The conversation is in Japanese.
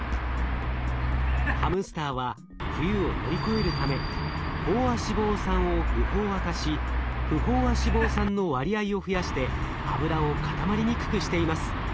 ハムスターは冬を乗り越えるため飽和脂肪酸を不飽和化し不飽和脂肪酸の割合を増やして脂を固まりにくくしています。